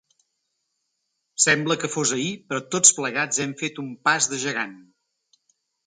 Sembla que fos ahir, però tots plegats hem fet un pas de gegant.